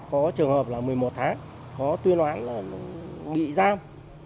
có trường hợp là một mươi một tháng có tuyên oán bị giam